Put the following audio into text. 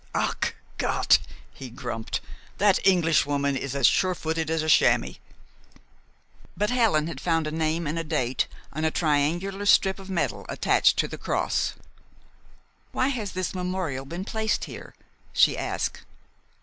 "Ach, Gott!" he grunted, "that Englishwoman is as surefooted as a chamois." But Helen had found a name and a date on a triangular strip of metal attached to the cross. "Why has this memorial been placed here?" she asked.